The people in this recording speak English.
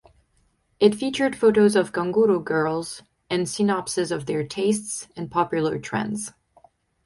It featured photos of "ganguro" girls and synopses of their tastes and popular trends.